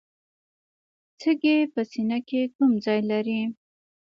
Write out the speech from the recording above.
سږي په سینه کې کوم ځای لري